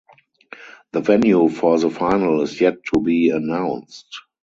The venue for the final is yet to be announced.